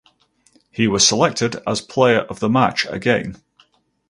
He was selected as player of the match again.